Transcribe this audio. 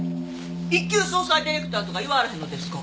「一級葬祭ディレクター」とか言わはれへんのですか？